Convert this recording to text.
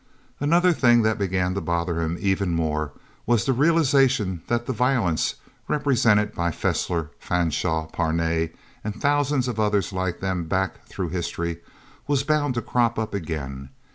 Another thing that began to bother him even more was the realization that the violence, represented by Fessler, Fanshaw, Parnay, and thousands of others like them back through history, was bound to crop up again.